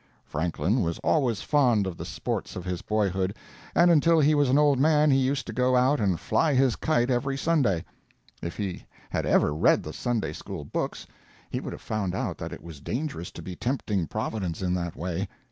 Franklin was always fond of the sports of his boyhood, and until he was an old man he used to go out and fly his kite every Sunday. If he had ever read the Sunday School books he would have found out that it was dangerous to be tempting Providence in that way.